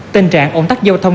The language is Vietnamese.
tình trạng ổn tắc giao thông